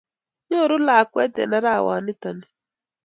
Nyoru lakwet eng arawa nito ni